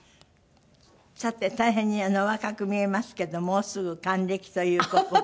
さて大変にお若く見えますけどもうすぐ還暦という事で。